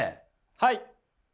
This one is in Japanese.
はい。